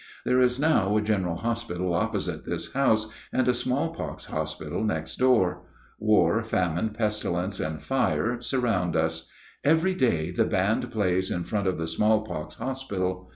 There is now a general hospital opposite this house, and a smallpox hospital next door. War, famine, pestilence, and fire surround us. Every day the band plays in front of the smallpox hospital.